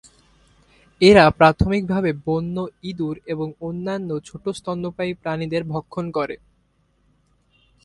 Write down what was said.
এরা প্রাথমিকভাবে বন্য ইঁদুর এবং অন্যান্য ছোট স্তন্যপায়ী প্রাণীদের ভক্ষণ করে।